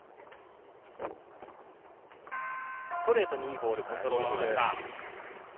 ストレートにいいボールコントロールしました。